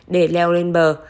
để leo lên bờ